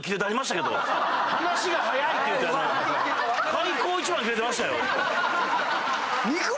開口一番キレてましたよ。